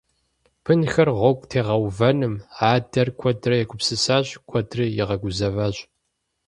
Бынхэр гъуэгу тегъэувэным адэр куэдрэ егупсысащ, куэдри игъэгузэващ.